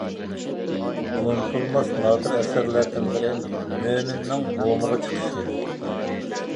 ئۇنتۇلماس نادىر ئەسەرلەردىن بىرى — «مۆمىننىڭ مومىغا چىقىشى».